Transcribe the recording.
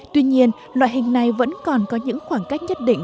tuy nhiên loại hình này vẫn còn có những khoảng cách nhất định